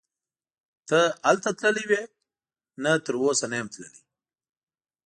ته هلته تللی وې؟ نه تراوسه نه یم تللی.